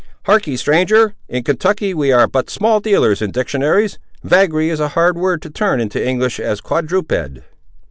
"Harkee, stranger! in Kentucky we are but small dealers in dictionaries. Vagary is as hard a word to turn into English as quadruped."